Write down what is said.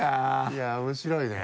いや面白いね。